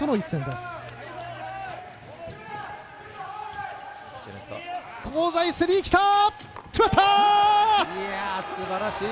すばらしい！